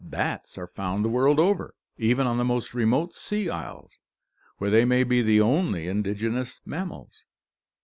Bats are found the world over, even on the most remote sea isles, where they may be the only indigenous mammals.